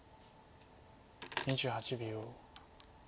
２８秒。